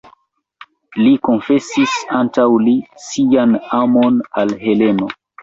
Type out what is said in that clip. Li konfesis antaŭ li sian amon al Heleno.